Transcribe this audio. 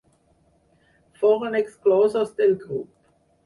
Foren exclosos del grup.